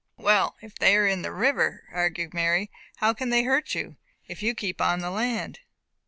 "Well, if they are in the river," argued Mary, "how can they hurt you, if you keep on the land?"